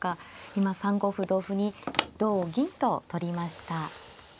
今３五歩同歩に同銀と取りました。